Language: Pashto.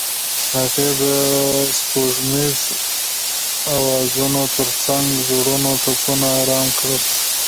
هغې د سپوږمیز اوازونو ترڅنګ د زړونو ټپونه آرام کړل.